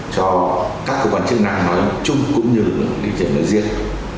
cho các cơ quan chức năng nói chung cũng như lực lượng điện tử nói riêng